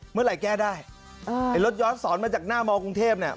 เมื่อไหร่แก้ได้ไอ้รถย้อนสอนมาจากหน้ามกรุงเทพเนี่ย